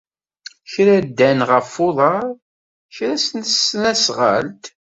Kra ddan ɣef uḍar, kra s tesnasɣalt.